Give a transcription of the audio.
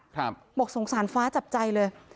บอกสงสารฟ้าจับใจเลย